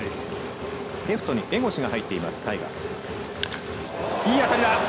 レフトに江越が入っているタイガース。